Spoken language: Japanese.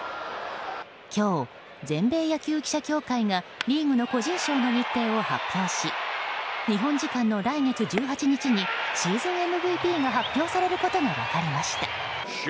今日、全米野球記者協会がリーグの個人賞の日程を発表し日本時間の来月１８日にシーズンＭＶＰが発表されることが分かりました。